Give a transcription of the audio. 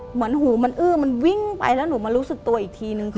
เหมือนหูมันอื้อมันวิ่งไปแล้วหนูมารู้สึกตัวอีกทีนึง